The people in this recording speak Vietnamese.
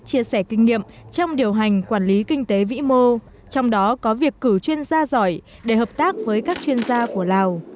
chia sẻ kinh nghiệm trong điều hành quản lý kinh tế vĩ mô trong đó có việc cử chuyên gia giỏi để hợp tác với các chuyên gia của lào